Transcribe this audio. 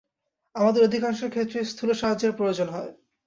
আমাদের অধিকাংশের ক্ষেত্রে স্থূল সাহায্যের প্রয়োজন হয়।